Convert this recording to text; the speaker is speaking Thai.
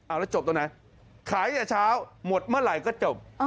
เอาแล้วจบตรงไหนขายแต่เช้าหมดเมื่อไหร่ก็จบ